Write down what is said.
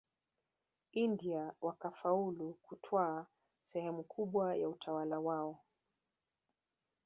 India wakafaulu kutwaa sehemu kubwa ya utawala wao